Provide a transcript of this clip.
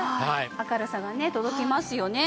明るさがね届きますよね。